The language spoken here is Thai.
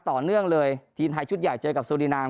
ต่อเนื่องเลยทีมไทยชุดใหญ่เจอกับสุรินาม